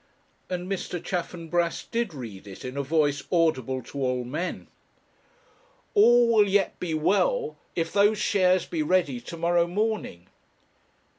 And Mr. Chaffanbrass did read it in a voice audible to all men. 'All will yet be well, if those shares be ready to morrow morning.'